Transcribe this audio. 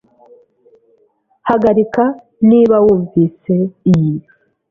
Hagarika niba wumvise iyi.